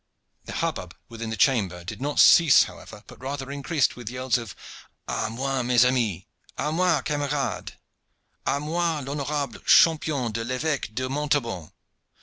The hubbub within the chamber did not cease, however, but rather increased, with yells of: "A moi, mes amis! A moi, camarades! A moi, l'honorable champion de l'Eveque de Montaubon!